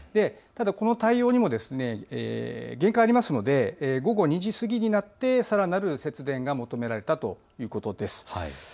ただこの対応にも限界があるので午後２時過ぎになってさらなる節電が求められたということです。